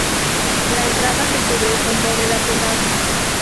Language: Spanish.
La entrada se cubre con bóveda apuntada.